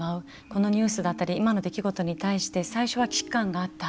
このニュースだったり今の出来事に対して最初は期間があった。